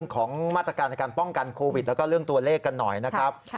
ของมาตรการในการป้องกันโควิดแล้วก็เรื่องตัวเลขกันหน่อยนะครับ